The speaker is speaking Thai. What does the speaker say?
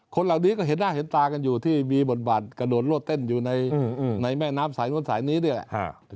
คนเหล่านี้ก็เห็นหน้าเห็นตากันอยู่ที่มีบทบาทกระโดดโลดเต้นอยู่ในแม่น้ำสายนู้นสายนี้นี่แหละ